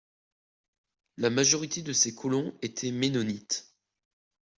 La majorité de ces colons était mennonite.